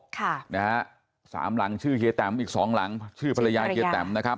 ค่ะนะฮะสามหลังชื่อเฮียแตมอีกสองหลังชื่อภรรยาเฮียแตมนะครับ